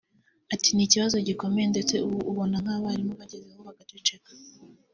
Ati “Ni ikibazo gikomeye ndetse ubu ubona ko n’abarimu bageze aho bagaceceka